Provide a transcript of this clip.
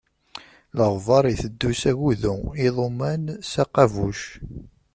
Leɣbaṛ iteddu s agudu, iḍuman s aqabuc.